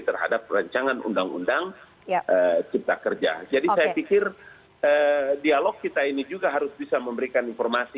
terhadap rancangan undang undang cipta kerja jadi saya pikir dialog kita ini juga harus bisa memberikan informasi